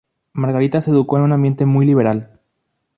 Margarita se educó en un ambiente muy liberal.